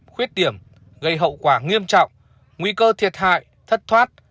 khuyết điểm gây hậu quả nghiêm trọng nguy cơ thiệt hại thất thoát